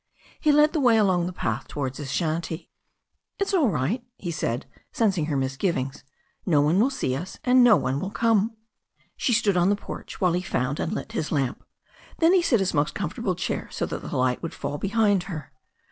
He led the way along the path towards his shanty. "It's all right," he said, sensing her misgivings. "No one will see us, and no one will come." She stood on the porch while he found and lit his lamp. Then he set his most comfortable chair so that the light would fall behind her.